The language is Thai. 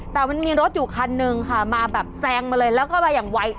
แต่มันมีรถอยู่คันนึงค่ะมาแบบแซงมาเลยแล้วก็มาอย่างไว